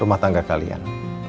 rumah tangga kalian